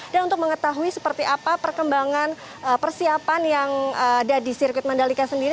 dan untuk mengetahui seperti apa perkembangan persiapan yang ada di sirkuit mandalika sendiri